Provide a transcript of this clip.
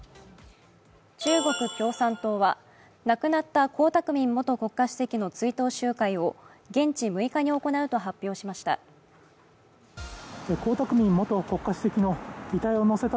中国共産党は亡くなった江沢民元国家主席の追悼集会を現地６日に行うと発表しました。